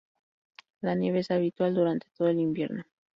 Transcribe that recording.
La nieve es habitual durante todo el invierno.